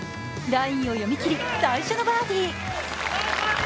ラインを読み切り最初のバーディー。